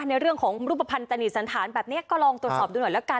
ในเรื่องของรูปภัณฑ์ตนิสันฐานแบบนี้ก็ลองตรวจสอบดูหน่อยละกัน